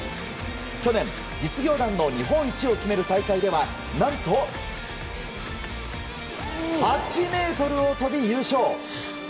去年、実業団の日本一を決める大会では何と８ｍを跳び優勝！